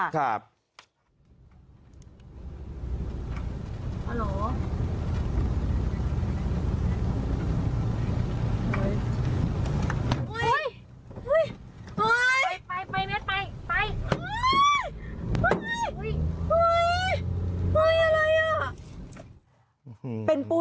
ครับ